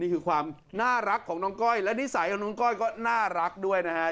นี่คือความน่ารักของน้องก้อยและนิสัยของน้องก้อยก็น่ารักด้วยนะฮะ